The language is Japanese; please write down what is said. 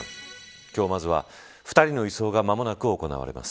今日、まずは２人の移送が間もなく行われます。